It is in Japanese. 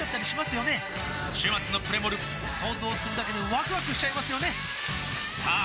週末のプレモル想像するだけでワクワクしちゃいますよねさあ